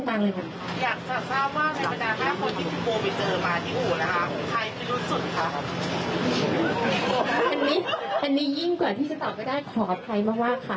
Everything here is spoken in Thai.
อันนี้ยิ่งกว่าที่จะตอบไม่ได้ขออภัยมากค่ะ